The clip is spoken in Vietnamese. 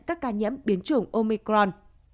các ca nhiễm biến chủng omicron